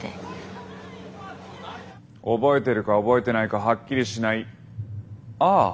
覚えてるか覚えてないかはっきりしない「ああ」。